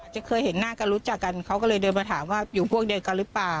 จะเคยเห็นหน้ากันรู้จักกันเขาก็เลยเดินมาถามว่าอยู่พวกเดียวกันหรือเปล่า